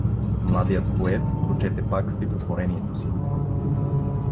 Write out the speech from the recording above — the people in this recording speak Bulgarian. Младият поет прочете пак стихотворението си.